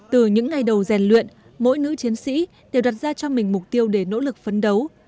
từ những ngày đầu rèn luyện mỗi nữ chiến sĩ đều đặt ra cho mình mục tiêu để nỗ lực phấn đấu